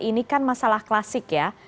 ini kan masalah klasik ya